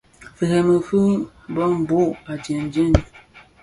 Firemi, bëbhog a jinjin.